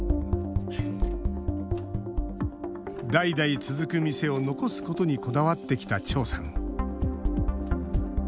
代々続く店を残すことにこだわってきた趙さん。